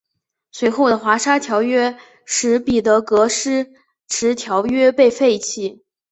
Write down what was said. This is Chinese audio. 随后的华沙条约使彼得戈施迟条约被废弃。